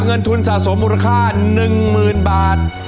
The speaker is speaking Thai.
เงินทุนสะสมมูลค่าหนึ่งหมื่นบาท